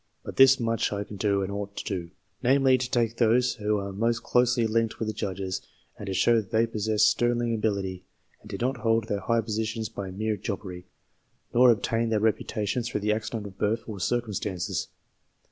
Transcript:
But this much I can do, and ought to do ; namely, to take those who are most closely linked with the Judges, and to show that they possessed sterling ability, and did not hold their high positions by mere jobbery, nor obtain their reputa tions through the accident of birth or circumstances.